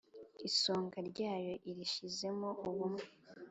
Isonga ryayo irishyizemo ubumwa,